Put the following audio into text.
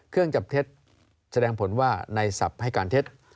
เครื่องจับเทศแสดงผลว่าในสับให้การเทศ